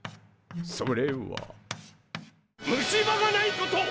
それは虫歯がないこと！